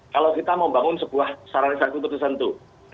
kalau kita mau membangun sebuah saran riset untuk kecentuh